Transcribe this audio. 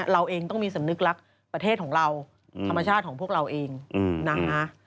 เราเองต้องมีสำนึกรักประเทศของเราธรรมชาติของพวกเราเองนะคะ